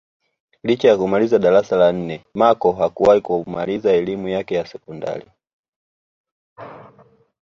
Licha ya kumaliza darasa la nne Machel hakuwahi kumaliza elimu yake ya sekondari